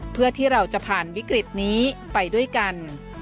เพื่อที่เราจะผ่านวิกฤตนี้ไปด้วยกัน